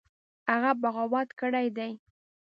هغه بغاوت کړی دی.